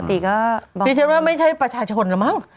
นี่ฉันว่าพี่ว่าไม่ใช่ประชาชนนะมั้ง